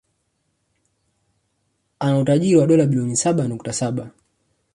Ana utajiri wa dola bilioni saba nukta saba